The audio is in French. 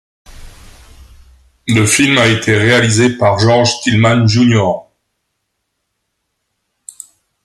Le film a été réalisé par George Tillman Jr.